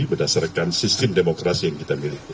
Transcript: berdasarkan sistem demokrasi yang kita miliki